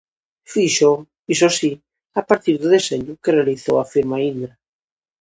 Fíxoo, iso si, a partir do deseño que realizou a firma Indra.